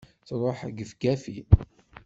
truḥ gefgafi!